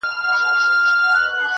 دا لوړ ځل و، تر سلامه پوري پاته نه سوم.